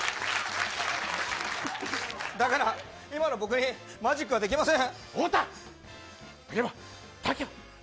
だから今の僕にマジックはできません。